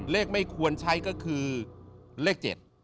ไม่ควรใช้ก็คือเลข๗